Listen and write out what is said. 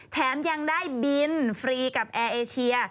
แถมยังได้บินฟรีกับแอร์เอเชีย